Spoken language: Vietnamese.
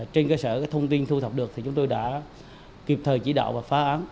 trên cơ sở thông tin thu thập được thì chúng tôi đã kịp thời chỉ đạo và phá án